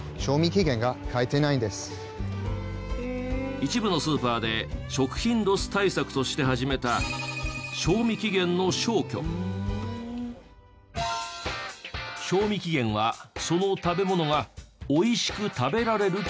一部のスーパーで食品ロス対策として始めた賞味期限はその食べ物が美味しく食べられる期間。